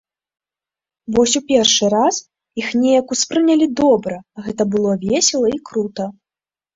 Вось у першы раз іх неяк успрынялі добра, гэта было весела і крута!